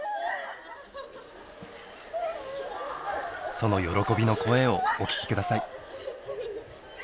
その喜びの声をお聞き下さい。